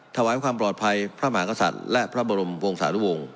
ถวายความปลอดภัยพระมหากษัตริย์และพระบรมวงศานุวงศ์